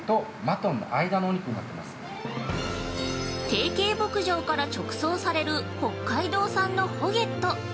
提携牧場から直送される北海道産のホゲット。